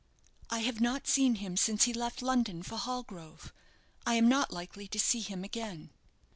"I have not seen him since he left London for Hallgrove. I am not likely to see him again."